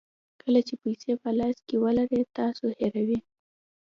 کله چې پیسې په لاس کې ولرئ تاسو هیروئ.